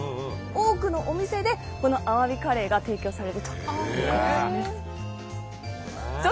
多くのお店でこのアワビカレーが提供されるということなんです。